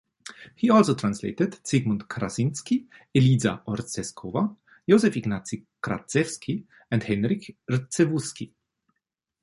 He also translated Zygmunt Krasinski, Eliza Orzeszkowa, Józef Ignacy Kraszewski and Henryk Rzewuski.